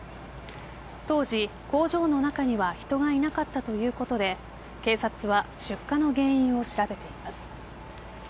当時、工場の中には人はいなかったということで警察は出火の原因を調べています。